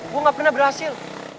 gue gak pernah berhasil